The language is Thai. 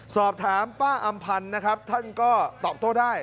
สอบถามป้าอำพันธุ์ท่านก็ตอบโทษได้